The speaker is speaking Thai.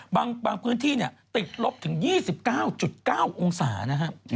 บางพื้นที่เนี่ยติดลบถึง๒๙๙องศานะฮะ